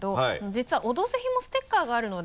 実は「オドぜひ」もステッカーがあるので。